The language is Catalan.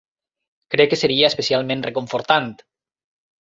Crec que seria especialment reconfortant.